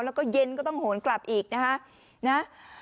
แล้วก็เย็นก็ต้องโหนกลับอีกนะคะนะ